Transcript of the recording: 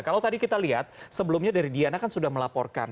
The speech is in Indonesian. kalau tadi kita lihat sebelumnya dari diana kan sudah melaporkan